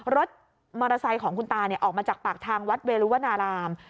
รถมอเตอร์ไซค์ของคุณตาออกมาจากปากทางวัดเวรุวนาราม